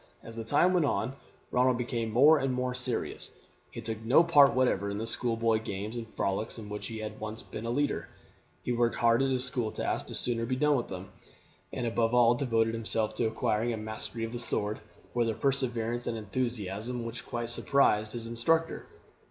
As the time went on Ronald became more and more serious. He took no part whatever in the school boy games and frolics in which he had been once a leader. He worked hard at his school tasks the sooner to be done with them, and above all devoted himself to acquiring a mastery of the sword with a perseverance and enthusiasm which quite surprised his instructor.